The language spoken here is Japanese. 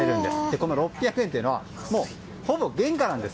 この６００円っていうのはほぼ原価なんです。